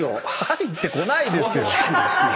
入ってこないですよ！